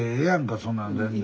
そんな全然。